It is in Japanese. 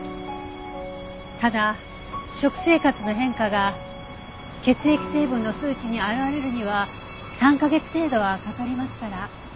ただ食生活の変化が血液成分の数値に表れるには３カ月程度はかかりますから。